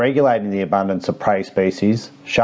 dengan mengawal kebanyakan spesies hiu